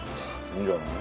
いいんじゃない？